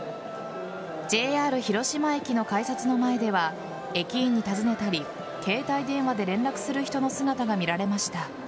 ＪＲ広島駅の改札の前では駅員に尋ねたり携帯電話で連絡する人の姿が見られました。